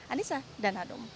anissa dan hanum